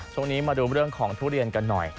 ช่วงนี้มาดูเรื่องของทุเรียนกันหน่อย